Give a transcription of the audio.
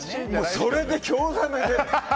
それで興ざめで。